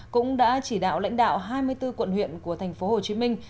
cũng đã chỉ đạo lãnh đạo hai mươi bốn quận huyện của thành phố hồ chí minh